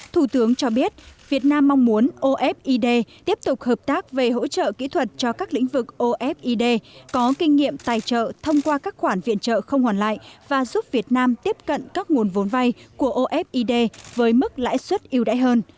thủ tướng cho biết việt nam mong muốn ofid tiếp tục hợp tác về hỗ trợ kỹ thuật cho các lĩnh vực ofid có kinh nghiệm tài trợ thông qua các khoản viện trợ không hoàn lại và giúp việt nam tiếp cận các nguồn vốn vay của ofid với mức lãi suất yêu đại hơn